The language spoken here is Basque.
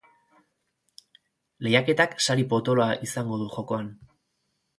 Lehiaketak sari potoloa izango du jokoan.